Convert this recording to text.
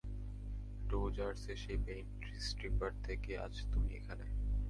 ডোযার্সের সেই paint stripper থেকে আজ তুমি এখানে।